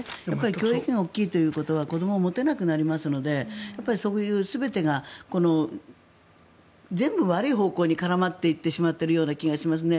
教育費が大きいということは子どもを持てなくなりますのでそういう全てが全部悪い方向に絡まってしまっている気がします。